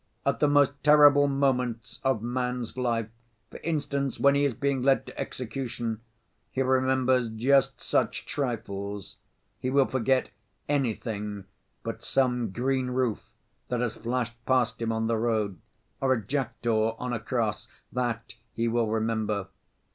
At the most terrible moments of man's life, for instance when he is being led to execution, he remembers just such trifles. He will forget anything but some green roof that has flashed past him on the road, or a jackdaw on a cross—that he will remember.